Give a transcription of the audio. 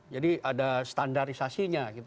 jadi ada standarisasinya gitu